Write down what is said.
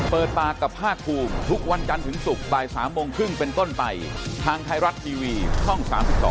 เปิดปากกับภาคภูมิทุกวันจันทร์ถึงศุกร์บ่าย๓โมงครึ่งเป็นต้นไปทางไทยรัฐทีวีช่อง๓๒